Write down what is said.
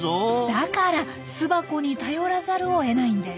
だから巣箱に頼らざるをえないんです。